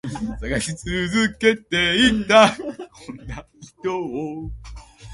They had two children together a daughter, Athena and a son, Apollo.